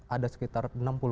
ada sekitar enam puluh empat